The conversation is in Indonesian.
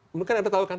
mungkin anda tahu kan